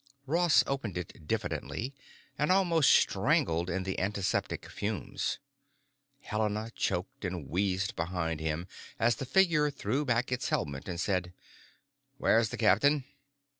Ross opened it diffidently, and almost strangled in the antiseptic fumes. Helena choked and wheezed behind him as the figure threw back its helmet and said, "Where's the captain?"